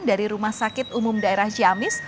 dari rumah sakit umum daerah ciamis